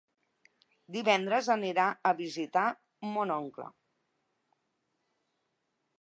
Divendres anirà a visitar mon oncle.